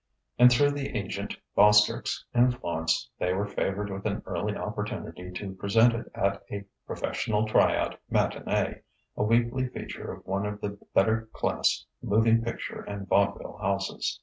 And through the agent Boskerk's influence, they were favoured with an early opportunity to present it at a "professional try out" matinée, a weekly feature of one of the better class moving picture and vaudeville houses.